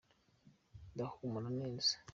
ndahumura neza.